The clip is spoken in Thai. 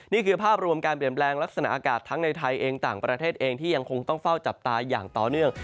นี่คือภาพรวมการเปลี่ยนแปลงลักษณะอากาศทั้งในไทยเองต่างประเทศเองที่ยังคงต้องเฝ้าจับตาอย่างต่อเนื่อง